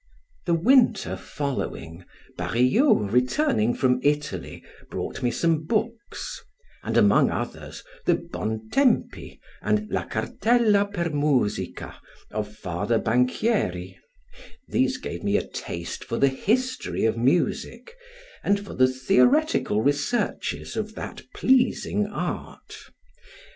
The winter following, Barillot returning from Italy, brought me some books; and among others, the 'Bontempi' and 'la Cartella per Musica', of Father Banchieri; these gave me a taste for the history of music and for the theoretical researches of that pleasing art.